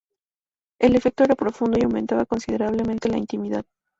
El efecto era profundo y aumentaba considerablemente la intimidad.